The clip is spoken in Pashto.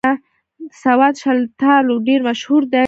د سوات شلتالو ډېر مشهور دي